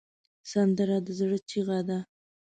سندره د زړه چیغه ده